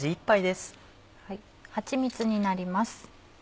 はちみつになります。